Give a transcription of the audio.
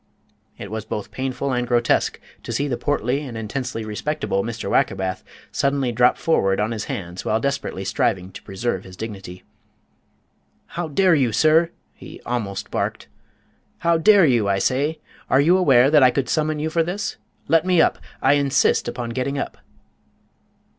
It was both painful and grotesque to see the portly and intensely respectable Mr. Wackerbath suddenly drop forward on his hands while desperately striving to preserve his dignity. "How dare you, sir?" he almost barked, "how dare you, I say? Are you aware that I could summon you for this? Let me up. I insist upon getting up!"